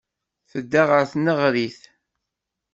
Tedda ɣer tneɣrit.